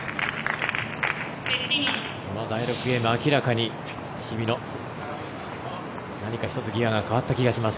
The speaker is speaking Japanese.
この第６ゲーム明らかに日比野何か１つギヤが変わった気がします。